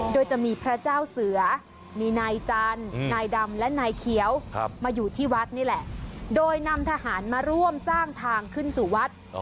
โดยจะมีพระเจ้าเสือมีนายจันทร์นายดำและนายเขียวมาอยู่ที่วัดนี่แหละโดยนำทหารมาร่วมสร้างทางขึ้นสู่วัด